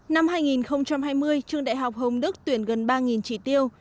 năm hai nghìn hai mươi trường đại học hồng đức tuyển gần ba chỉ tiêu